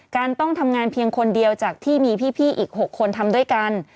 การต้องทำงานเพียงคนเดียวจากที่มีพี่อีก๖คนทำด้วยกัน